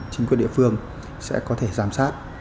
chính quyền địa phương sẽ có thể giám sát